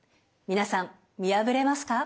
皆さん見破れますか？